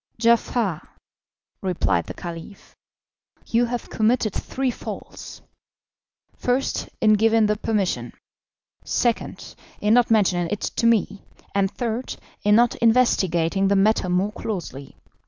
"Giafar," replied the Caliph, "you have committed three faults first, in giving the permission; second, in not mentioning it to me; and third, in not investigating the matter more closely.